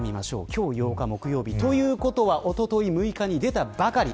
今日は８日の木曜日ということはおととい６日に出たばかり。